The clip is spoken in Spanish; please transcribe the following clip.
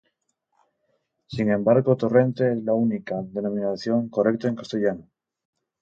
Sin embargo, "Torrente" es la única denominación correcta en castellano.